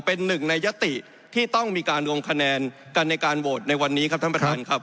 เป็นหนึ่งในยติที่ต้องมีการลงคะแนนกันในการโหวตในวันนี้ครับท่านประธานครับ